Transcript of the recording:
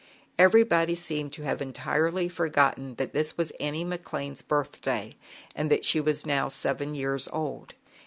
Everybody seemed to have entirely forgotten that this was Annie McLane's birthday and that she was now seven years old.